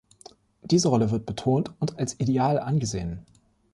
Diese Rolle wird betont und als Ideal angesehen.